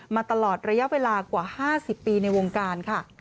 มาตลอดระยะเวลากว่า๕๐ปีในวงการค่ะ